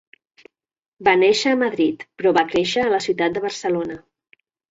Va néixer a Madrid però va créixer a la ciutat de Barcelona.